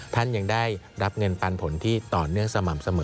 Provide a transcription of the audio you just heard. ท่านยังได้รับเงินปันผลที่ต่อเนื่องสม่ำเสมอ